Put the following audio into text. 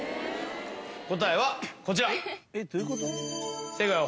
答えはこちら。